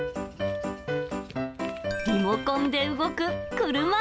リモコンで動く車。